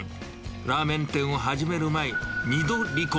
ラーメン店を始める前、２度離婚。